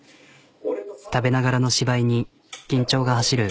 食べながらの芝居に緊張が走る。